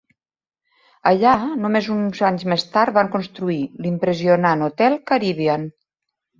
Allà, només uns anys més tard, van construir l'impressionant hotel Caribbean.